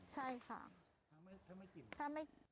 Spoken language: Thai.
ใช่ค่ะ